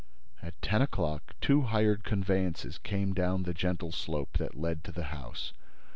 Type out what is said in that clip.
At ten o'clock, two hired conveyances came down the gentle slope that led to the house.